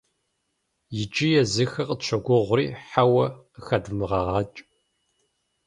Иджы езыхэр къытщогугъри, «хьэуэ» къыхэдвмыгъэгъэкӀ.